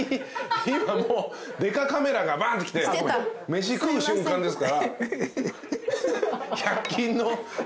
今もうでかカメラがバンって来て飯食う瞬間ですから。